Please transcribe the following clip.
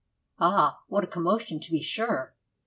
Ah! what a commotion, to be sure!